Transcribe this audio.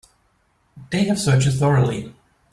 They have searched it thoroughly.